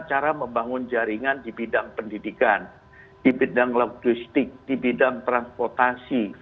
cara membangun jaringan di bidang pendidikan di bidang logistik di bidang transportasi